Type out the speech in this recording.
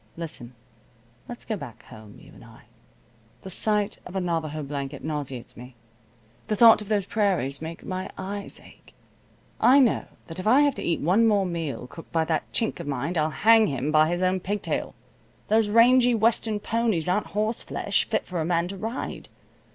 Listen. Let's go back home, you and I. The sight of a Navajo blanket nauseates me. The thought of those prairies makes my eyes ache. I know that if I have to eat one more meal cooked by that Chink of mine I'll hang him by his own pigtail. Those rangy western ponies aren't horseflesh, fit for a man to ride.